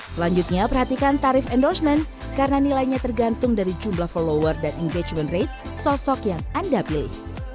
selanjutnya perhatikan tarif endorsement karena nilainya tergantung dari jumlah follower dan engagement rate sosok yang anda pilih